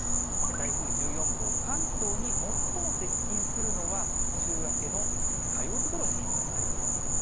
台風１４号、関東に最も接近するのは、週明けの火曜日ごろになりそうです。